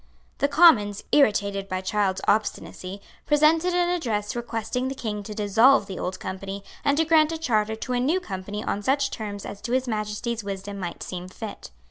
The Commons, irritated by Child's obstinacy, presented an address requesting the King to dissolve the Old Company, and to grant a charter to a new Company on such terms as to His Majesty's wisdom might seem fit.